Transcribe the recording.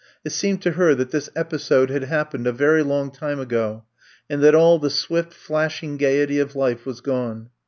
It seemed to her that this episode had happened a very long time ago, and that all the swift, flashing gaiety of life was gone.